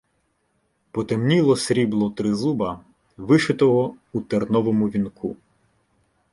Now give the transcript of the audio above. Потемніло срібло тризуба, вишитого у терновому вінку.